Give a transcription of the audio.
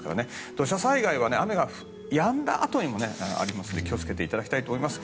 土砂災害は雨がやんだあとにもありますので気を付けていただきたいと思います。